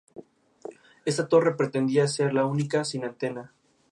Aquí se juntaron los heridos con algunos jóvenes y artesanos que habían caído prisioneros.